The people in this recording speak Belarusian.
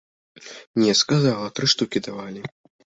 Не, сказала, тры штукі давалі.